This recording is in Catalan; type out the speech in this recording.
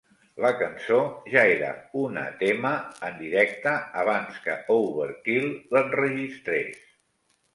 La cançó ja era una tema en directe abans que "Overkill" l'enregistrés.